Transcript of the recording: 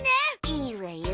いいわよ。